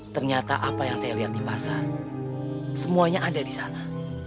ternyata apa yang saya lihat di pasar semuanya ada di sana